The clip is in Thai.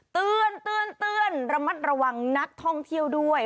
เตือนระมัดระวังนักท่องเที่ยวด้วย